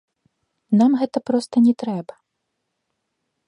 Нам гэта проста не трэба.